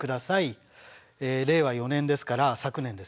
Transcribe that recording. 令和４年ですから昨年ですね。